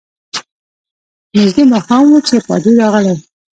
نژدې ماښام وو چي پادري راغلی.